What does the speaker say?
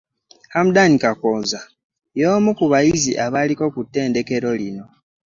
Hamdan Kakooza, y'omu ku bayizi abaaliko ku ttendekero lino